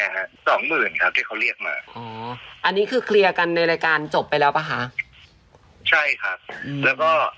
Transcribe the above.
๓หมื่นมันก็มีอยู่แล้วไหมพี่ผมก็แก้อยู่แบบนั้นแหละ